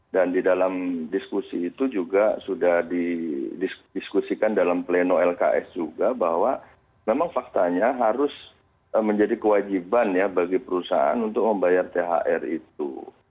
dan di dalam diskusi itu juga sudah didiskusikan dalam pleno lks juga bahwa memang faktanya harus menjadi kewajiban ya bagi perusahaan untuk membayar thr itu